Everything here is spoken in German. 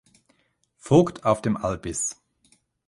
Vogt auf dem Albis.